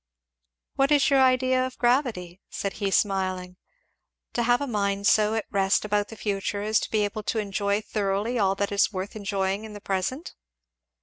"What is your idea of gravity?" said he smiling. "To have a mind so at rest about the future as to be able to enjoy thoroughly all that is worth enjoying in the present?"